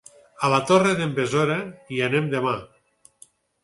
A la Torre d'en Besora hi anem demà.